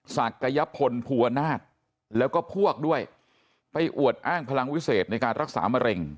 ศักยพลภูวนาศแล้วก็พวกด้วยไปอวดอ้างพลังวิเศษในการรักษามะเร็ง